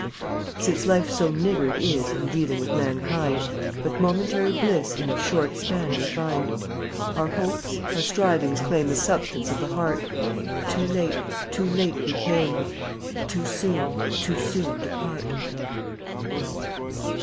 1 6 Since life so niggard is In dealing with mankind, But momentary bliss In its short span we find. Our hopes, our strivings claim The substance of the heart; Too late, too late we came, Too soon, too soon depart.